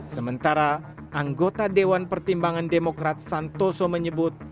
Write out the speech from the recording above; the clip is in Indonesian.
sementara anggota dewan pertimbangan demokrat santoso menyebut